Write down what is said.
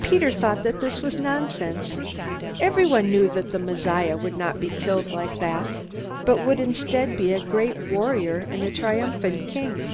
Peter thought that this was nonsense. Everyone knew that the Messiah would not be killed like that, but would instead be a great warrior and a triumphant king.